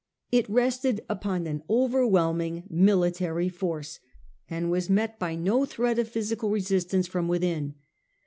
It rested upon an overwhelming military force, and was met by no threat of physical resistance from within.